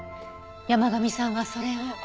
山神さんはそれを。